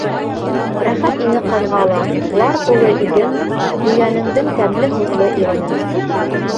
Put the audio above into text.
Рәхәт ине ҡыҙға ла: лар тулы иген, һөйгәнеңдең тәмле һутлы ирене.